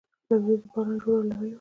له وریځو د باران جوړه لړۍ وه